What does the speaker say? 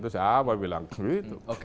siapa bilang begitu